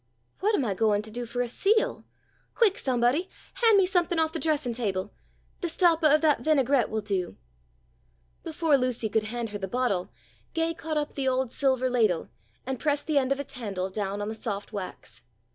"What am I going to do for a seal? Quick, somebody, hand me something off the dressing table. The stoppah of that vinaigrette will do." Before Lucy could hand her the bottle Gay caught up the old silver ladle and pressed the end of its handle down on the soft wax.